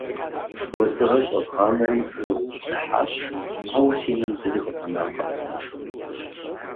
Уэздыгъэр щӏэзгъанэри, фӏыуэ зысплъыхьащ, ауэ си нэм зыри къыфӏэнакъым.